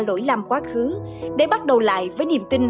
đất nước để bắt đầu lại với niềm tin